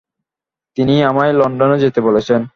তিনি আমায় লণ্ডনে যেতে বলছেন।